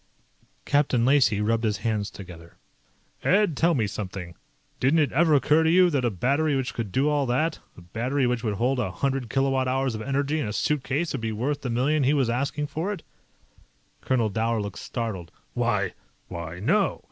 Captain Lacey rubbed his hands together. "Ed, tell me something. Didn't it ever occur to you that a battery which would do all that a battery which would hold a hundred kilowatt hours of energy in a suitcase would be worth the million he was asking for it?" Colonel Dower looked startled. "Why ... why, no.